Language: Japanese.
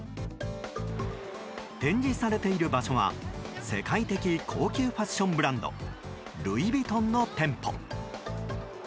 展示されている場所は世界的高級ファッションブランドルイ・ヴィトンの店舗。